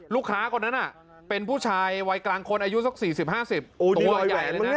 ลูกค้าคนนั้นเป็นผู้ชายวัยกลางคนอายุสัก๔๐๕๐